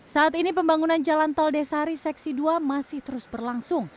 saat ini pembangunan jalan tol desari seksi dua masih terus berlangsung